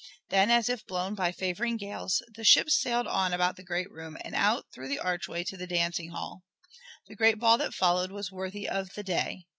Then, as if blown by favoring gales, the ships sailed on about the great room, and out through the archway to the dancing hall. The great ball that followed was worthy of the day.